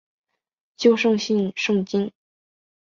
旧姓胜津。